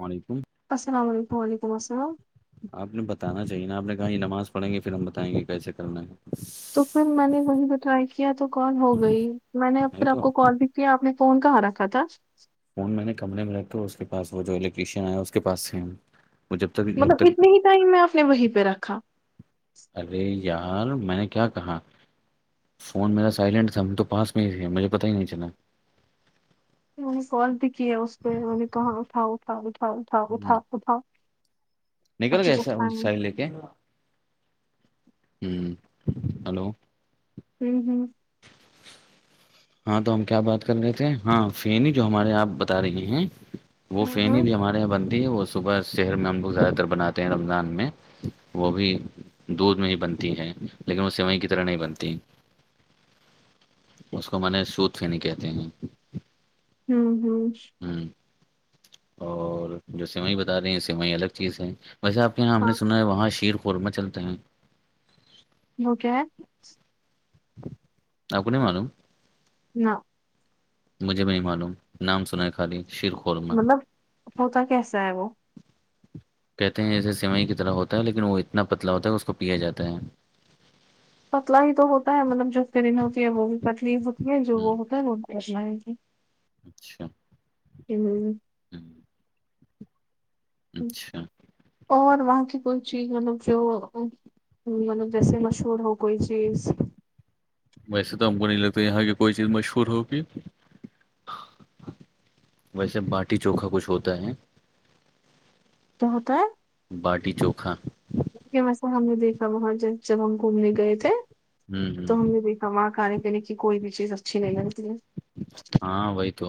وعلیکم السلام علیکم و علیکم السلام- آپ نے بتانا چاہے نا آپ نے کہا یہ نماز پڑھیں گے پھر ہم بتائیں گے کیسے کرنا ہے- تو پھر میں نے وہی پی ٹرائی کیا تو کول ہو گئی میں نے اب پھر نہیں آپ تو کو کال بھی- کیا آپ نے فون کہاں رکھا تھا فون میں نے کمرے میں رکھ کے اس کے پاس وہ جو الیکٹریشین ایا اس کے پاس سیم- مطلب اتنے ہی ٹائم میں آپ نے وہیں پہ رکھا- ارے یار میں کیا کہا- فون میرا سائلنٹ تھا ہم تو پاس میں ہی تھے مجھے پتا ہی نہیں چلا- انہوں نے کال بھی کیا اس نے انہ نے کہاں ہ اٹھاؤ-اٹھاؤ-اٹھاؤ-اٹھاؤ-اٹھاؤ-اٹھاؤ- [inaudible] نکل گئے سر سہ لے کے- ہوں، ہیلو- ہوں-ہوں ہاں تو ہم کیا بات کر رہے تھے ہاں فینی جو ہمارے آپ بتا رہی ہیں- وہ فین ہوں بھی ہمارے یہاں بن وہ صبح شہر میں ہم لوگ زیادہ تر بناتے ہیں رمضان میں وہ بھی- دودھ میں ہی بنتی ہیں لیکن وہ سیوائی کی طرح نہیں بنتی- اس کو ما نے سوت فینی کہتے ہیں- ہوں-ہوں ہاں اور جو سوائے بتا رہے ہیں سوائے الگ چیز ہے- ویسے آپ کے یہاں ہم نے ہاں سنا ہے وہاں شیر قورمہ چلتے ہیں- وہ کیا ہے اپ کو نہیں معلوم- نہ مجھے بھی نہیں معلوم نام سنا ہے خالی شیرک- مطلب ہوتا کیسا ہے وہ- کہتے ہیں جیسے سیوائی کی طرح ہوتا ہے لیکن وہ اتنا پتلا ہوتا ہے کہ اس کو پیا جاتا ہے- پتلا ہی تو ہوتا ہے مطلب جو فرین ہوتی ہے وہ بھی پتلی ہوتی ہے جو ہ وہ ہوتا ہے وہ بھی پتلا ہے اچھا ہ ہ اچھا اور وہاں کی کوئی چیز مطلب جو مطلب جیسے مشہور ہو کوئی چیز ویسے تو ہم کو نہیں لگتے یہاں کی کوئی چیز مشہور ہوگی ویسے باٹی چوکھا کچھ ہوتا ہے کیا ہوتا ہے باٹی چوکھا ھیک ہے ویسے ہم نے دیکھا وہاں ج جب ہم گھومنے گئے تھے ہوں ہوں تو ہم نے دیکھ ہماں کھانے پینے کی کوئی بھی چیز اچھی نہیں رہتی ہاں وہی تو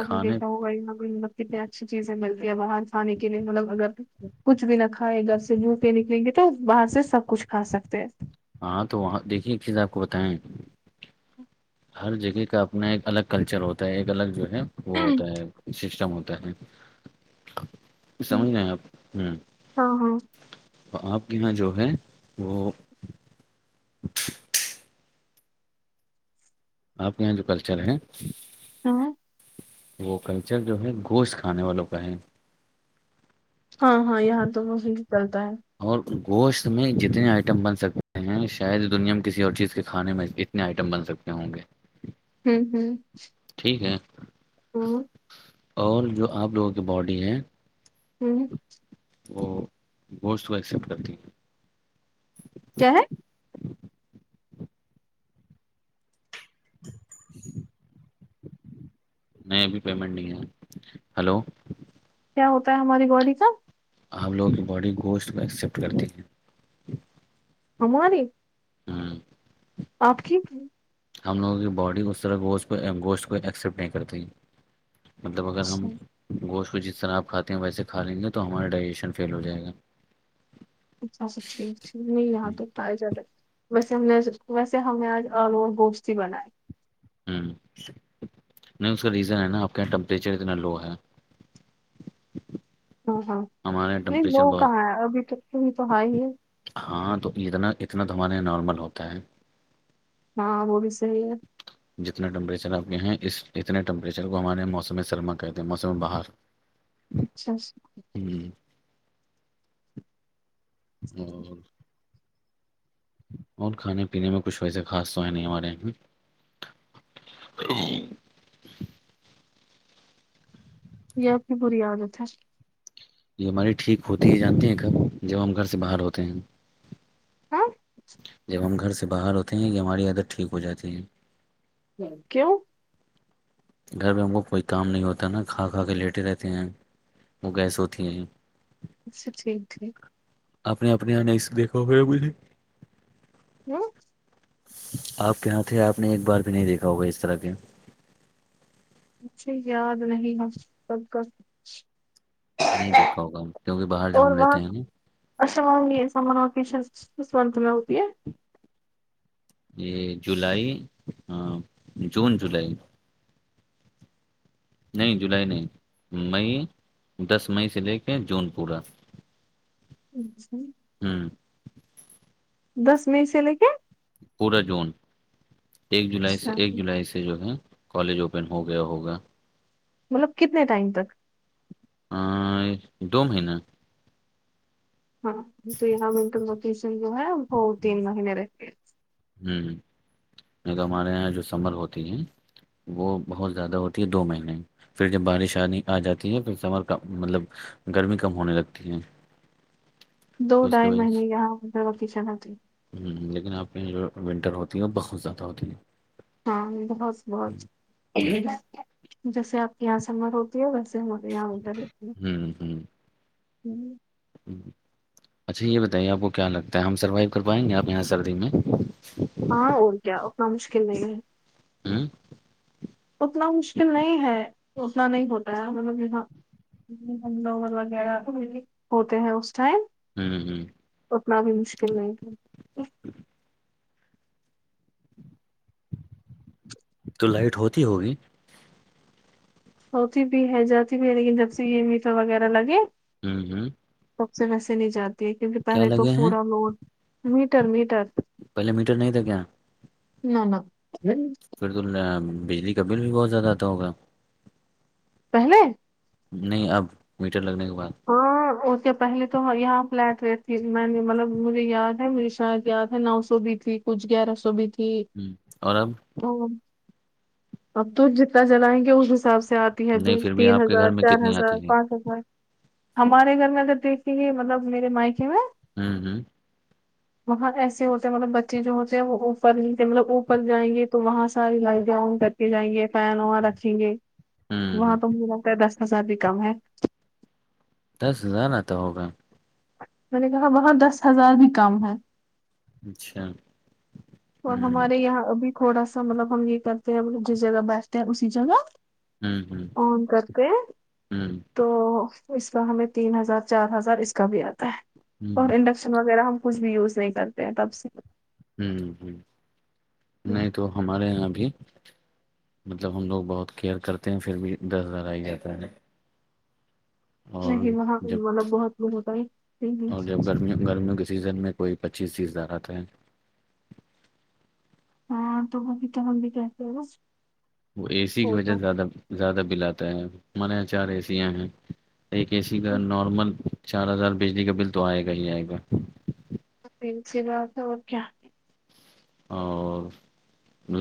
آپ نے دیکھا ہوگا کتنے اچھی چیزیں ملتی ہیں باہر کھانے کے لیے مطلب اگر کچھ بھی نہ کھائے گھر سے بھوکے نکلیں گے تو باہر سے سب کچھ کھا سکتے ہیں ہاں تو وہاں دیکھیے کز آپ کو بتائیں ہر جگہ کا اپنا ایک الگ کلچر ہوتا ہے ایک الگ جو ہے وہ ہیں ہوتا ہے سسٹم ہوتا ہے سمجھ رہ آپ ہوں ہاں ہاں تو آپ کے ن جو ہے وہ [inaudible] آپ کے یہاں جو کلچر ہے ہوں وہ کلچر جو ہے گوشت کھانے والوں کا ہے ہاں ہاں یہاں تو وہ چلتا ہے اور گوشت میں جتنے آئٹم بن سکتے ہیں شاید دنیا میں کسی اور چیز کے کھانے میں آئٹم بن سکتے ہوں گے ہوں ہوں ٹھیک ہے ہوں اور جو آپ لوگوں کی باڈی ہیں ہوں وہ گوشت تو ایکسپٹ کرتی کیا ہے [inaudible] نہیں ابھی پیمنٹ نہیں اہی ہلو کیا ہوتا ہے ہماری باڈی کا آ ہم لوگوں کی باڈی گوشت کو ایکسیپٹ کرتے ہیں ہماری ہاں آپ کی ہم لوگوں کی باڈی اسس طرح گوشت کو گوشت کو ایکسیپٹ نہیں کرتی مطلب اگر ہم اچھا گوشت کو جس طرح آپ کھاتے ہیں ویسے کھا لیں گے تو ہمارا ڈائجیشن فیل ہو جائے گا [unintelligible] ویسے ہم نے ویسے ہمیں نے آج آلو اور گوشت ہی بنائے ہوں نہیں اس کا ریزن ہے نا آپ کے یہاں ٹمپریچر اتنا لو ہے ہاں ہاں ہمارے یہاں نہیں ٹمپریچر لو بہت کہاں ہے ابھی تک تو حاھی ہی ہے ہاں تو اتنا اتنا تو ہمارے یہاں نارمل ہوتا ہے ہاں وہ بھی صحیح ہے جتنا ٹمپریچر آپ کے ہیں اس اتنے ٹمپریچر کو ہمارے موسم سرما کہتے ہیں موسم بہار اچھا ہوں [inaudible] اور کھانے پینے میں کچھ ویسے خاص تو ہے نہیں ہمارے یہ یہ آپ کی بری عادت ہے یہ ہم ہماری ٹھیک ہوتی ہے جانتی ہیں کب جب ہم گھر سے باہر ہوتے ہیں ہاں جب ہم گھر سے باہر ہوتے ہیں یہ ہماری عادت ٹھیک ہو جاتی ہے ہ کیوں گھر پہ ہم کو کوئی کام نہیں ہوتا نا کھا کھا کے لیٹے رہتے ہیں وہ گیس ہوتی ہیں اچھا ٹھیک ہےٹھیک اپ نے اپنے یہاں نہیں دیکھا ہو ہے بے ہوں آپ کے ہاںھ آپ نے ایک بار بھی نہیں دیکھا ہوگا اس طرح کے مجھے یاد نہیں ہے سب کا نہیں دیکھا ہوگا ہم کیونکہ باہر جو ہم اور رہتے وہاں ہیں نا [unintelligible] یہ جولائی ہاں جون جولائی نہیں جولائی نہیں مئی دس مئی سے لے کے جون پورا اچھا ہوں دس میں سے لے کے پورے جون ایک جولائی سے اچھا ایک جولائی سے یہ جو ہے کالج اوپن ہو گیا ہوگا مطلب کتنے ٹائم تک دو مہینے ہاں تو یہاں ونٹر وکییشن جو ہے وہ تین مہینے رہ گے ہ ہ نہیں تو ہمارے یہاں جو سمبر ہوتی ہیں وہ بہت زیادہ ہوتی ہے دو مہینے پھر جب بارش آ آ جاتی ہے پھر سمر مطلب گرمی کم ہونے لگتی ہے دو تو اس کی ڈھائی وجہ سے مہینے یہاں وکییشن ہوتی ہے ہ لیکن آپ کے یہاں جو ونٹر ہوتی ہیں بہت زیادہ ہوتی ہیں ہاں بہت بہت جیسے آپ کے یہاں سمر ہو ہوں ہ [unintelligible] اچھا یہ بتائیے آپ کو کیا لگتا ہے ہم سروائیو کر پائیں گے آپ یہاں سردی میں ہاں اور کیا اتنا مشکل نہیں ہے ہ اتنا مشکل نہیں ہے اتنا نہیں ہوتا ہے مطلب یہاں ہم لوگ وغیرہ ہوتے ہیں اس ٹائم ہ ہ اتنا بھی مشکل نہیں ہے تو لائٹ ہوتی ہوگی ہوتی بھی ہے جاتی بھی ہے لیکن جب سے یہ میٹھا وغیرہ لگے- ہوں-ہوں سب سے ویسے نہیں جاتی ہے کیونکہ پہلے تو لگے ہیں سورا لوڈ میٹر میٹر پہلے میٹر نہیں تھا کیا نہ نہ پھر تو بجلی کا بل بھی بہت زیادہتا ہوگا- پہلے نہیں اب میٹر لگنے کے بعد ہاں ا کیا پہلے تو یہاں فلیٹ ریٹ تھی میں نے مطلب مجھے یاد ہے مجھے شاید یاد ہے نو سو بھی تھی- کچ گ ر سوب ہ اور اب- او اب تو جتنا چلائیں گے اس حساب سے- آتی ہے تو نہیں پھر بھی تین آپ کے ہزار گھر میں چار کتنی ہزار آتی ہے پانچ ہزار- ہمارے گھر میں اگر دیکھتے ہیں مطلب میرے مائکی میں- [unintelligible] [inaudible] وہاں ایسے ہوتے ہیں مطلب بچے جو ہوتے ہیں وہ اوپر ہی مطلب اوپر جائیں گے تو وہاں ساری لائی جاؤں گ کے جائیں گے فین واں رکھیں گے ہوں وہاں ہوں تو مجھے لگتا ہے دس ہزار بھی کم ہے- دس ہزارہ تو ہوگا میں نے کہا وہاں دس ہزار بھی کم ہے- اچھا اور ہوں ہمارے یہاں ابھی تھوڑا سا مطلب ہم یہ کرتے ہیں مب جس جگہ بیٹھتے ہیں اسی جگہ- ہمم فون کر کے تو اس کا ہمیں تین ہزار چار ہزار اس- کا بھی آتا ہے اور انڈکشن وغیرہ ہم کچھ بھی یوز نہیں کرتے ہیں تب سے- ہوں ہ نہیں تو ہمارے یہاں ابھی- مطلب ہم لوگ بہت کیئر کرتے ہیں پھر بھی دس ہزار آ ہی جاتا ہے- اور نہیں وہاں جب مطلب بہت لوگ اور جب ہوتا- گرمیوں گرمیوں کے سیزن میں کوئی پچیس چیزہ آتا ہے- ہاں تو وہ بھی تو ہم بھی کیاس وہ اے سی کی وجہ سے زیادہ زیادہ بل آتا ہے ہمارے یہاں چار اے سیاں ہیں- ایک اے سی کا نارمل چار ہزار بجلی کا بل تو آئے گا ہی آئے گا- سی باتات اور کیا- اور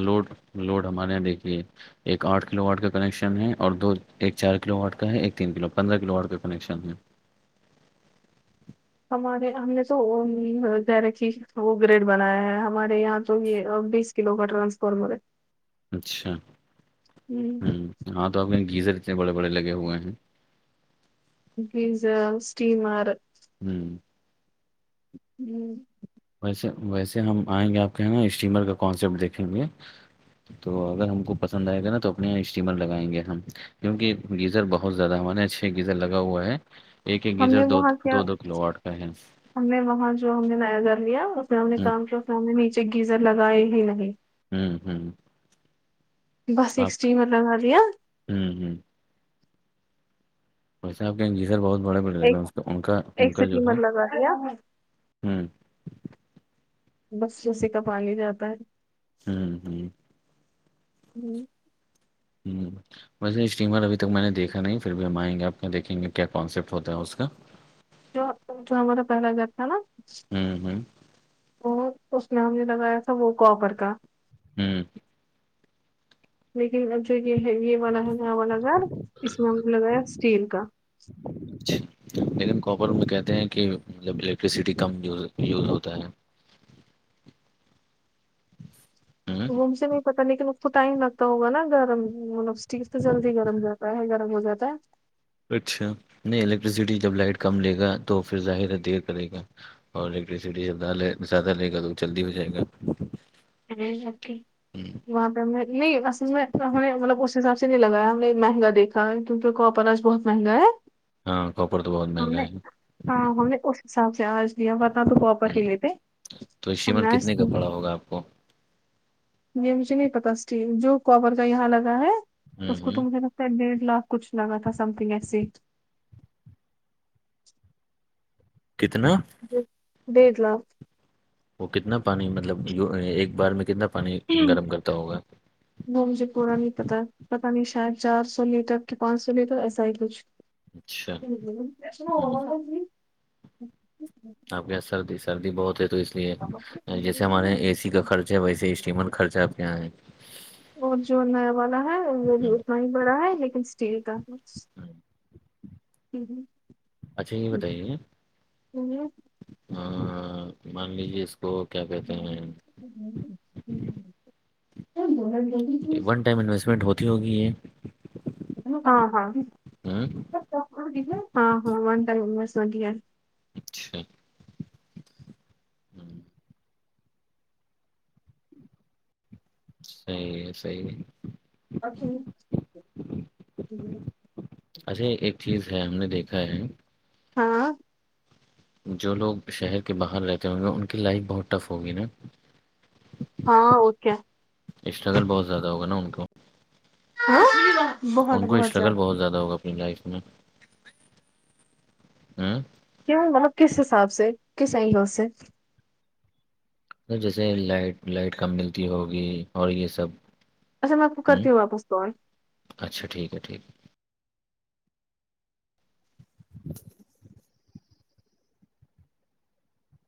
لوڈ لوڈ ہمارے یہاں دیکھی ہے- ایک آٹھ کلو واٹ کا کنکشن ہے اور دو ایک چار کلو واٹ کا ہے ایک تین کلو پندرہ کلو واٹ کا کنیکشن ہے- ہمارے ہم نے تو گیری وہ گریڈ بنایا ہے ہمارے یہاں تو یہ بی- کوگ کاٹرانسفارمر ہے اچھا ہ ہے ہاں تو آپ کےاں گیزر اتنے بڑے بڑے لگے ہوئے ہیں- ڈیزل اسٹیمر [inaudible] [inaudible] ویسے ویسے ہم آئیں گے آپ کے نا اسٹیمر کا کانسپٹ دیکھیں گے- تو اگر ہم کو پسند آئے گا نا تو اپنے یہاں اسٹیمر لگائیں گے ہم کیونکہ گیزر بہت زیادہ ہمارے اچھے گیزر لگا ہوا ہے- ایک-ایک ہم ادھر نے دو وہاں کیا دو کلوٹ کا ہے- ہم نے وہاں جو ہم نے نیا گھر لیا اس میں ہم نے ہ کام کیا اس میں ہم نے نیچے گیزر لگائے ہی نہیں- ہوں-ہوں بس ایک اسٹیٹیمر بن رہیا ہوں-ہوں وی صاحب کہ جی سر بہت بڑے بڈ لگ رہا ایک اس کا ان کا ان ایک کا جو ہے اسٹیمر لگا دیا ہوں بس اسی کا پا ہی جاتا ہے- [unintelligible] [inaudible] [unintelligible] ویسے اسٹیمر اھی تک میں نے دیکھا نہیں پھر بھی ہم آئ گے آپ دیکھیں گے کیا کانسپٹ ہوتا ہے اس کا- جو-جو ہمارا پہلا گھر تھا نا- ہوں ہوں وہ اس میں ہم نے لگایا تھا وہ کوپر کا- ہوں لیکن اب جو یہ ہے یہ والا ہے ن والا گار اس میں ہم نے لگایا اسٹیل کا- اچھا لیکن کاپر میں کہتے ہیں کہ مطلب الیکٹریسٹی کمیز یوز ہوتا ہے- ہوں وہ مج سے نہیں پتا نہیں کہ تو ٹائم لگتا ہوگا نا گرم مطلب اسٹیف تو جلدی گرم جاتا ہے گرم ہو جاتا ہے- اچھا نہیں الیکٹریسٹی جب لائٹ کم لے گا تو پھر ظاہر ہے دیر کرے گا- اور الیکٹریسٹی جب نہ زیادہ لے گا تو وہ جلدی ہو جائے گا- ہ اوکے وہاں پہ ہمیں نہیں اصل میں ہم نے مطلب اس حساب سے نہیں لگایا ہم نے مہنگا دیکھا ہے کیونکہپراج بہت مگو ہاں کو پرڑ تو بہت- ہم مہنگا نے ہے ہاں ہم نے اس حساب سے آج لیا ب تھا تو وہاپر ہی لیتے- ہم تویمن نے آج کتنے کا پڑا ہوگا آپ کو- یہ مجھے نہیں پتا اسٹیک جو کاپر کا یہاں لگا ہے اس ہوں کو تو ہوں مجھے- ر ڈیڑھ لاکھ کچھ لگا تھا سم تھنگ ایسے- کتنا- ڈیڑھ لاکھ- وہ کتنا پانی مطلب ایک بار میں کتنا پانی گرم کرتا ہوگا- وہ مجھے پورا نہیں پتا پتا نہیں شاید چار سو لیٹر کہ پانچ سو لیٹر ایسا ہی کچھ- ج اچھا- ج پس میں ہو ہوں ہوی- آپ کے یہاں سردی سردی بہت ہے تو اس لیے جیسے ہمارے یہاں اے سی کچھ کا خرچ- جب ویسے اسٹیمن خرچہ کیا ہے- اور جو نیا والا ہے بھی ہوں، اتنا ہی بڑا ہے لیکن- ٹھیک ہے ہوں۔ ہ ہ اچھا یہ بتائیے- ہی ہاں-ہاں مان لیجیے اس- اوکے ا کیا بول گ ون ٹائم انویسٹمنٹ ہوتی ہوگی یہ- ہاں-ہاں، ہاں ہاں-ہاں منتا بس ویا- اچھا ہ صحیح ہے صحیح ہے اھی ہ [inaudible] اچھا ہے ایک چیز ہے ہم نے دیکھا ہے ہاں جو لوگ شہر کے باہر رہتے ہوں گے ان کی لائف بہت ٹف ہوگی نا ہاں اور کیا اسٹرگل بہت زیادہ ہوگا نا ان کو ہاں [inaudible] ان کو اسٹرگل بہت زیادہ ہوگا اپنی لائف میں ہوں کیا ہے مطلب کس حساب سے کس اینگل سے جیسے لائٹ لائٹ کم ملتی ہوگی اور یہ سب اچھا میں آپ کو کرتی ہوں واپس کال اچھا ٹھیک ہے ٹھیک ہے [inaudible]